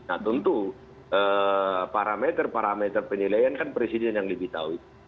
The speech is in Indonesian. nah tentu parameter parameter penilaian kan presiden yang lebih tahu